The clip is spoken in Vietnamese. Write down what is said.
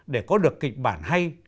để có được kịch bản hay